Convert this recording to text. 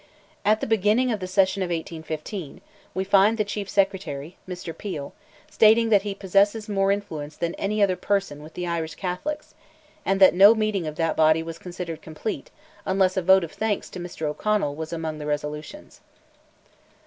At the beginning of the session of 1815, we find the Chief Secretary (Mr. Peel) stating that he "possesses more influence than any other person" with the Irish Catholics, and that no meeting of that body was considered complete unless a vote of thanks to Mr. O'Connell was among the resolutions.